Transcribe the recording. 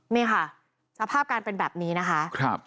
นี่ค่ะสภาพการเป็นแบบนี้นะคะ